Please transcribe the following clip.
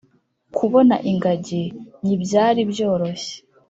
kubona ingajyi nyibyari byoroshye